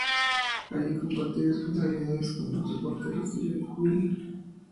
Allí compartirá responsabilidades con los reporteros Joe Rossi y Billie Newman.